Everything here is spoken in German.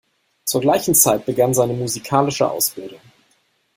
Zur gleichen Zeit begann seine musikalische Ausbildung.